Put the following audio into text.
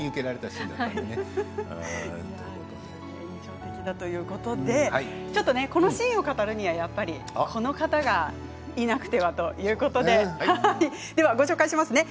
印象的だということでちょっとこのシーンを語るにはやっぱりこの方がいなくてはということで、ご紹介しますね。